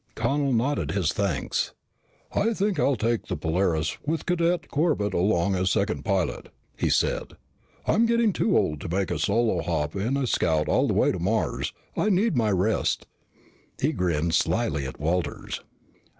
Connel nodded his thanks. "I think I'll take the Polaris, with Cadet Corbett along as second pilot," he said. "I'm getting too old to make a solo hop in a scout all the way to Mars. I need my rest." He grinned slyly at Walters.